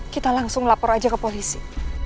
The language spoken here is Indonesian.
kita langsung lapor aja ke polisi